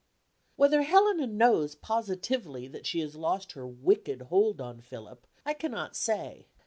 Whether Helena knows positively that she has lost her wicked hold on Philip I cannot say.